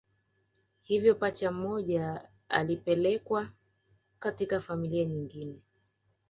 Hivyo pacha mmoja alipelekwa katika familia nyingine